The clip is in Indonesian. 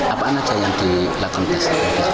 apaan aja yang dilakukan tes